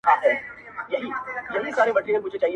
دا زړه نــه لــــــري يـــــــارانـــــــــو_